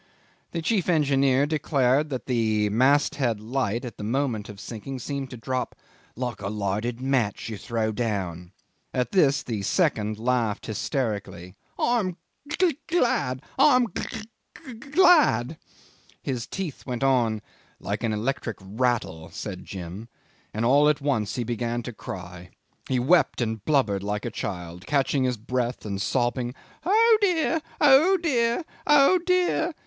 The chief engineer declared that the mast head light at the moment of sinking seemed to drop "like a lighted match you throw down." At this the second laughed hysterically. "I am g g glad, I am gla a a d." His teeth went on "like an electric rattle," said Jim, "and all at once he began to cry. He wept and blubbered like a child, catching his breath and sobbing 'Oh dear! oh dear! oh dear!